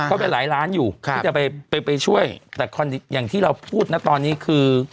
ก็ไปหลายล้านอยู่ที่จะไปไปช่วยแต่อย่างที่เราพูดนะตอนนี้คือ